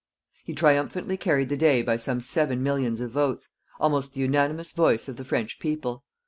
He triumphantly carried the day by some seven millions of votes almost the unanimous voice of the French people.